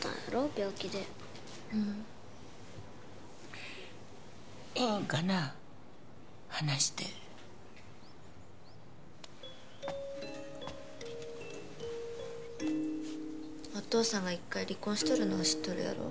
病気でうんいいんかな話してお父さんが一回離婚しとるのは知っとるやろ？